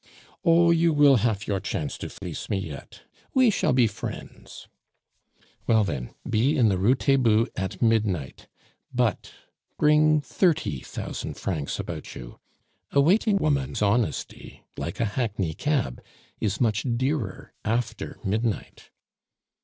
"Oh, you will hafe your chance to fleece me yet. We shall be friends." "Well, then, be in the Rue Taitbout at midnight; but bring thirty thousand francs about you. A waiting woman's honesty, like a hackney cab, is much dearer after midnight."